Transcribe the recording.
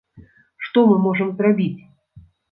Што мы можам зрабіць?